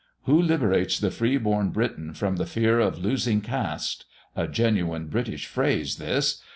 Who liberates the freeborn Briton from the fear of 'losing caste' (a genuine British phrase this!)